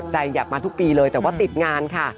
ขยับมาทุกปีเลยแต่ว่าติดงานค่ะ